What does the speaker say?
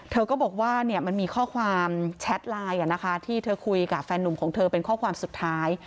เธอก็บอกว่ามันมีข้อความแชทไลน์ที่เธอคุยกับแฟนหนุ่มของเธอเป็นข้อความสุดท้าย